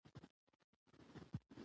اصیلتوب؛ لکه نرانو کښي نارينه توب.